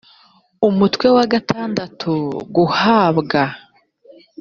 umutwe wa gatandatu guhabwa